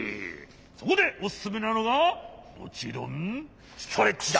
そこでおすすめなのがもちろんストレッチだ！